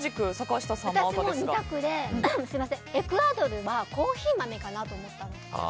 私も２択で、エクアドルはコーヒー豆かなと思ったの。